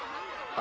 あ。